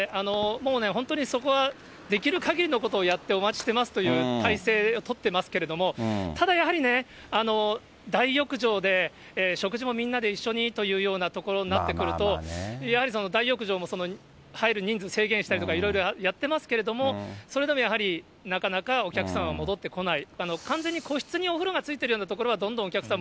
もうね、本当にそこはできるかぎりのことをやってお待ちしてますという体制を取ってますけれども、ただやはりね、大浴場で食事もみんなで一緒にというようなところになってくると、やはり大浴場も、入る人数制限したりとかいろいろやってますけれども、それでもやはり、なかなかお客さんは戻ってこない、完全に個室にお風呂が付いているような所は、どんどんお客さん